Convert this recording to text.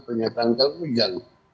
pernyataan kan ujang